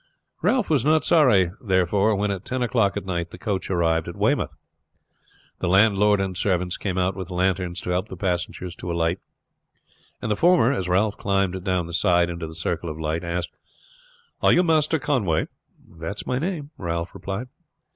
Ralph was not sorry, therefore, when at ten o'clock at night the coach arrived at Weymouth. The landlord and servants came out with lanterns to help the passengers to alight, and the former, as Ralph climbed down the side into the circle of light, asked: "Are you Master Conway?" "That's my name," Ralph replied.